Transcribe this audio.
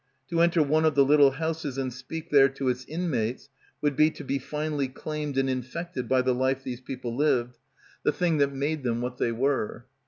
To enter one of the little houses and speak there to its inmates would be to be finally claimed and infected by the life these people lived, the thing that made them what they were.